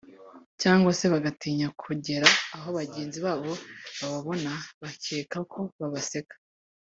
cyangwa se bagatinya kogera aho bagenzi babo bababona bakeka ko babaseka